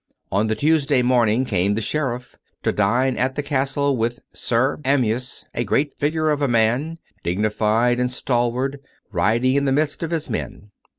On the Tues day morning came the sheriff, to dine at the castle with Sir Amyas — a great figure of a man^ dignified and stal wart, riding in the midst of his men.